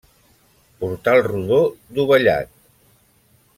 Portal rodó dovellat.